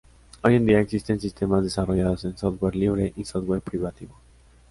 Hoy en día existen sistemas desarrollados en software libre y software privativo.